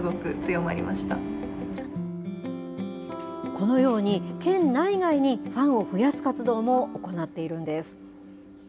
このように、県内外にファンを増やす活動も行っているんです。